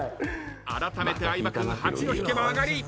あらためて相葉君８を引けば上がり。